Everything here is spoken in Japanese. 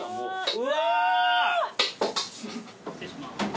うわ！